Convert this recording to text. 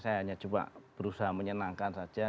saya hanya coba berusaha menyenangkan saja